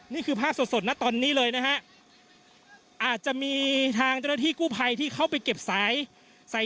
นี่คือภาพสดสดนะตอนนี้เลยนะฮะอาจจะมีทางเจ้าหน้าที่กู้ภัยที่เข้าไปเก็บสายใส่